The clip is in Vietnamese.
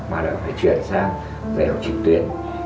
mà đã phải chuyển sang giải học trực tuyến